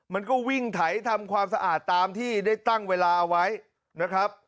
มันก็วิ่งไถทำความสะอาดตามที่ได้ตั้งเวลาเอาไว้นะครับ